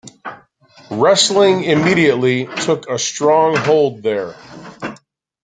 Wrestling immediately took a strong hold there.